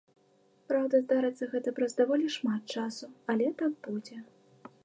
Праўда, здарыцца гэта праз даволі шмат часу, але так будзе.